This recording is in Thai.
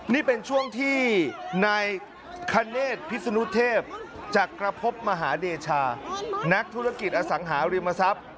นี่เป็นช่วงที่นายคเนธพิศนุเทพจักรพบมหาเดชานักธุรกิจอสังหาริมทรัพย์